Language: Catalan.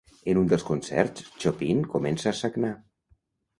En un dels concerts, Chopin comença a sagnar.